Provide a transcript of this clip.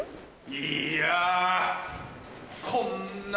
いやこんな。